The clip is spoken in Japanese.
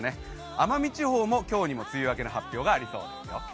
奄美地方も今日にも梅雨明けの発表がありそうですよ。